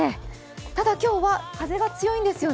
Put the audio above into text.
ただ、今日は風が強いんですよね。